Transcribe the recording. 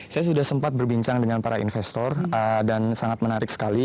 saya sudah sempat berbincang dengan para investor dan sangat menarik sekali